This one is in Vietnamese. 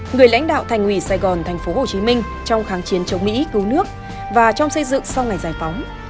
người lãnh đạo thành ủy sài gòn thành phố hồ chí minh trong kháng chiến chống mỹ cứu nước và trong xây dựng sau ngày giải phóng